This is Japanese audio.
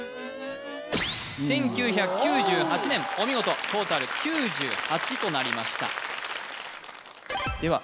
１９９８年お見事トータル９８となりましたでは